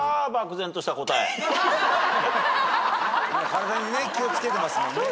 体にね気を付けてますもんね。